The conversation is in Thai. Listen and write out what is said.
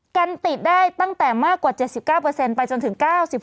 กันติดได้ตั้งแต่มากกว่า๗๙ไปจนถึง๙๕